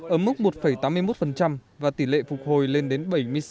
ở mức một tám mươi một và tỷ lệ phục hồi lên đến bảy mươi sáu bốn mươi bảy